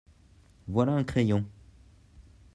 Voilà un crayon.